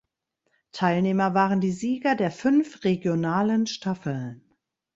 Teilnehmer waren die Sieger der fünf regionalen Staffeln.